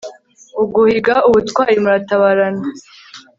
uguhiga ubutwari muratabarana